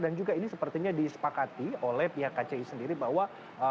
dan juga ini sepertinya disepakati oleh pihak kci sendiri bahwa